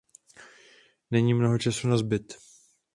Není mnoho času nazbyt.